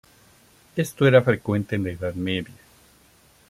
Esto era frecuente en la Edad Media.